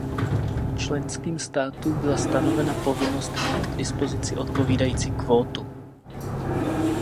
Členským státům byla stanovena povinnost mít k dispozici odpovídající kvótu.